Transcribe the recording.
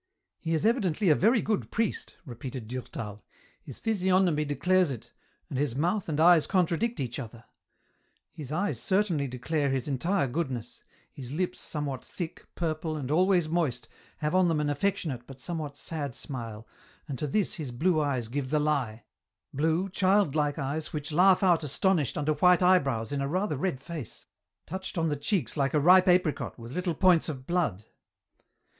" He is evidently a very good priest," repeated Durtal ;" his physiognomy declares it, and his mouth and eyes contradict each other ; his eyes certainly declare his entire goodness, his lips, somewhat thick, purple and always moist, have on them an affectionate but somewhat sad smile, and to this his blue eyes give the lie — blue, childlike eyes which laugh out astonished under white eyebrows in a rather red face, touched on the cheeks like a ripe apricot, with little points of blood.